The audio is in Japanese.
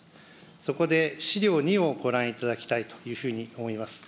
そこで資料２をご覧いただきたいというふうに思います。